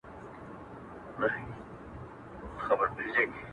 مخ ځيني واړوه ته ـ